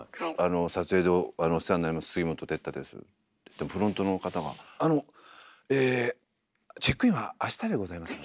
「撮影でお世話になります杉本哲太です」って言ってもフロントの方が「あのえチェックインはあしたでございます」。